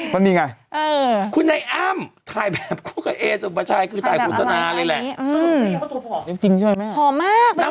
ก็นี่ไงคุณไอ้อ้ำถ่ายแบบคู่กับเอสุปชัยคือถ่ายโฆษณาเลยแหละ